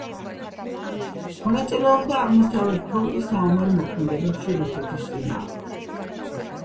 მონაწილეობდა აღმოსავლეთ ფრონტის საომარ მოქმედებებში რუსეთის წინააღმდეგ.